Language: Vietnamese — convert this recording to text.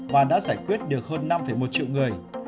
và đã giải quyết được hơn năm một triệu người